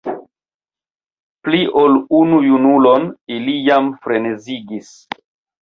Pli ol unu junulon ili jam frenezigis.